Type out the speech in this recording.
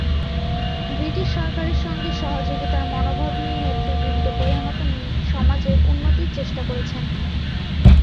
British সরকারের সঙ্গে সহযোগিতার মনোভাব নিয়ে নেতৃবৃন্দ প্রধানত সমাজের উন্নতির চেষ্টা করেছেন।